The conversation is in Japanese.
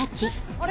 あれ？